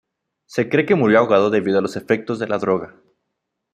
Se cree que murió ahogado debido a los efectos de la droga.